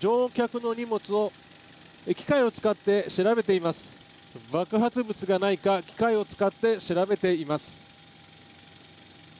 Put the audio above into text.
乗客の荷物を機械を使って爆発物がないか機械を使って調べています。